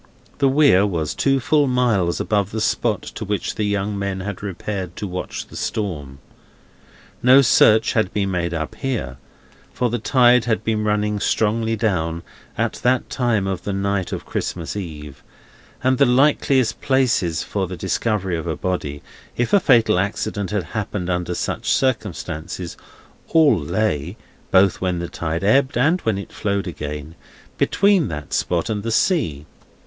The Weir was full two miles above the spot to which the young men had repaired to watch the storm. No search had been made up here, for the tide had been running strongly down, at that time of the night of Christmas Eve, and the likeliest places for the discovery of a body, if a fatal accident had happened under such circumstances, all lay—both when the tide ebbed, and when it flowed again—between that spot and the sea.